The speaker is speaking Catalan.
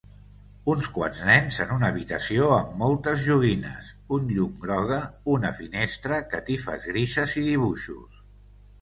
Uns quants nens en una habitació amb moltes joguines, un llum groga, una finestra, catifes grises i dibuixos